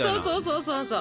そうそうそう。